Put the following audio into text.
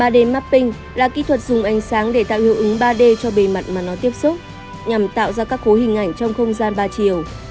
ba d mapping là kỹ thuật dùng ánh sáng để tạo hiệu ứng ba d cho bề mặt mà nó tiếp xúc nhằm tạo ra các khối hình ảnh trong không gian ba chiều